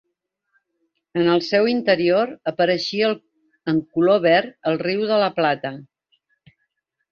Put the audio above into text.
En el seu interior, apareixia en color verd el Riu de la Plata.